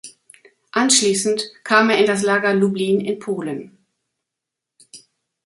Anschließend kam er in das Lager Lublin in Polen.